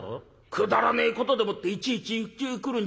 くだらねえことでもっていちいちうちへ来るんじゃ」。